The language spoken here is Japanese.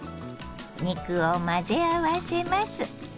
肉を混ぜ合わせます。